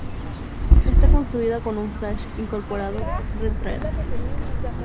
Está construida con un flash incorporado retráctil.